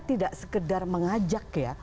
tidak sekedar mengajak ya